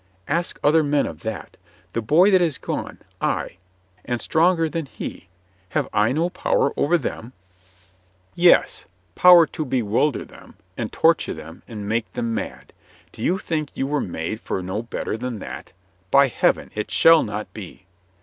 Ask other men of that. The boy that is gone — ay, and stronger than he. Have I no power over them ?" ROYSTON BREAKS HIS SWORD 143 "Yes, power to bewilder them, and torture them, and make them mad. Do you think you were made for no better than that? By Heaven, it shall not be